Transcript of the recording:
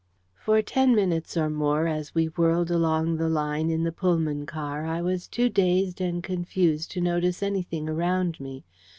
For ten minutes or more, as we whirled along the line in the Pullman car, I was too dazed and confused to notice anything around me.